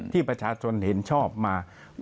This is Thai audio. ที่ประชาชนเห็นชอบมา